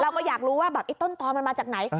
เราก็อยากรู้ว่าแบบต้นตอนมันมาจากไหน